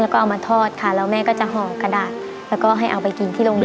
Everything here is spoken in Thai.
แล้วก็เอามาทอดค่ะแล้วแม่ก็จะห่อกระดาษแล้วก็ให้เอาไปกินที่โรงเรียน